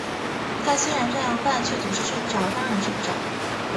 他虽然照样办，却总是睡不着，当然睡不着的